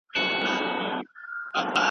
هیڅ یو لامل په یوازي ځان ستونزه نه جوړوي.